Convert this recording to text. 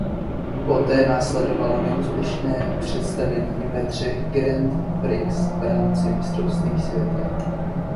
Poté následovalo neúspěšné představení ve třech Grand Prix v rámci Mistrovství světa.